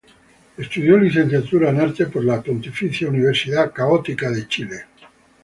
Estudió licenciatura en arte en la Pontificia Universidad Católica de Chile.